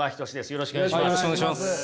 よろしくお願いします。